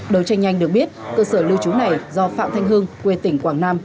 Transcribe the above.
đối tranh nhanh được biết cơ sở lưu trú này do phạm thanh hương quê tỉnh quảng nam